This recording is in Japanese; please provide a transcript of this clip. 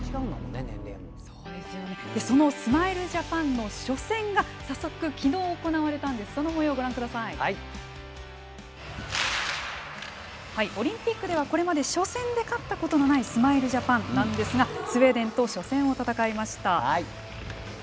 そのスマイルジャパンの初戦が早速きのう、行われたのでオリンピックではこれまで初戦で勝ったことのないスマイルジャパンなんですがスウェーデンと初戦を戦いました。